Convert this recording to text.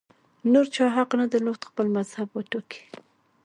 نور چا حق نه درلود خپل مذهب وټاکي